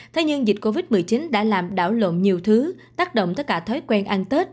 thế nhưng dịch covid một mươi chín đã làm đảo lộn nhiều thứ tác động tới cả thói quen ăn tết